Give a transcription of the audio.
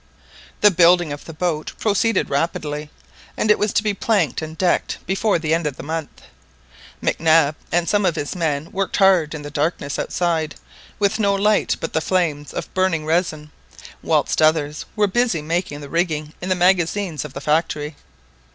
The building of the boat proceeded rapidly, and it was to be planked and decked before the end of the month. Mac Nab and some of his men worked hard in the darkness outside, with no light but the flames of burning resin, whilst others were busy making the rigging in the magazines of the factory.